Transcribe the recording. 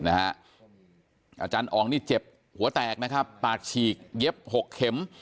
อาจารย์อองนี่เจ็บหัวแตกนะครับปากฉีกเย็บ๖เข็ม